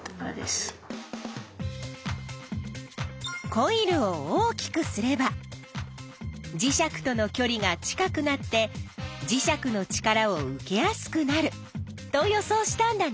コイルを大きくすれば磁石とのきょりが近くなって磁石の力を受けやすくなると予想したんだね。